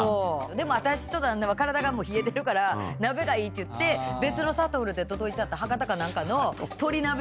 でも私と旦那は体が冷えてるから鍋がいいって言って別のさとふるで届いた博多か何かのとり鍋を。